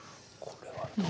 これは。